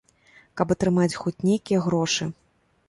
Каб атрымаць хоць нейкія грошы.